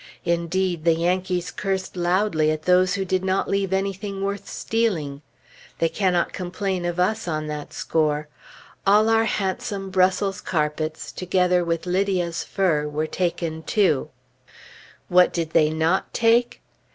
Indeed, the Yankees cursed loudly at those who did not leave anything worth stealing. They cannot complain of us, on that score. All our handsome Brussels carpets, together with Lydia's fur, were taken, too. What did they not take?